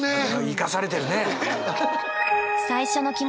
生かされてるね！